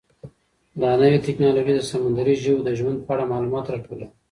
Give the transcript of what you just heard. دا نوې ټیکنالوژي د سمندري ژویو د ژوند په اړه معلومات راټولوي.